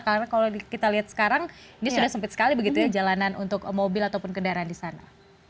karena kalau kita lihat sekarang ini sudah sempit sekali begitu ya jalanan untuk mobil ataupun kendaraan di sana